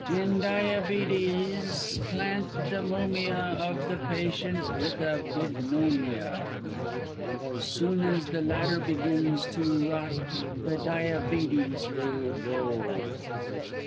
"In diabetes, plant the mumia of the patient with a bignonia, and as soon as the latter begins to rot, the diabetes will go.